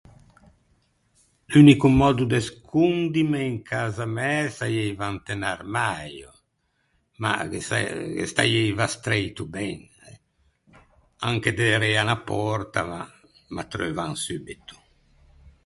L'unico mòddo de scondime in casa mæ saieiva inte un armäio, ma ghe sa- ghe staieiva streito ben. Anche derê à unna pòrta, ma m'attreuvan subito.